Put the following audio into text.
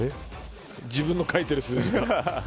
自分の書いている数字が。